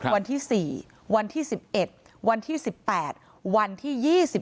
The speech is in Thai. วันที่๔วันที่๑๑วันที่๑๘วันที่๒๓